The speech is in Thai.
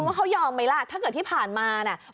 ว่าเขายอมไหมล่ะถ้าเกิดที่ผ่านมาเนี่ย